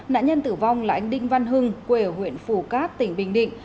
nạn nhân tử vong là anh đinh văn hưng quê ở huyện phủ cát tỉnh bình định